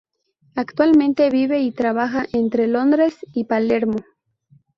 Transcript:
Actualmente vive y trabaja entre Londres y Palermo.